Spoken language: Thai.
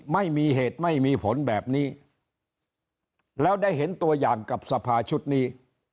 ไม่มีเหตุไม่มีผลแบบนี้แล้วได้เห็นตัวอย่างกับสภาชุดนี้